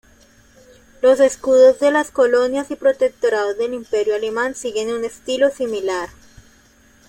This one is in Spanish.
Los escudos de las colonias y protectorados del Imperio alemán siguen un estilo similar.